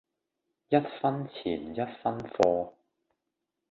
一分錢一分貨